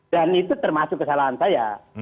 dan itu termasuk kesalahan saya